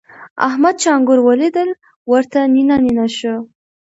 احمد چې انګور وليدل؛ ورته نينه نينه شو.